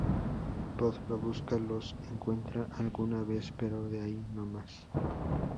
Pod los busca, los encuentra alguna vez, pero de ahí no más.